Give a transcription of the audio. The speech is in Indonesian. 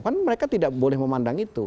kan mereka tidak boleh memandang itu